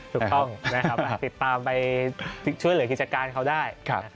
ถูกต้องนะครับติดตามไปช่วยเหลือกิจการเขาได้